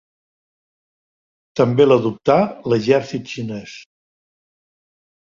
També l'adoptà l'exèrcit xinès.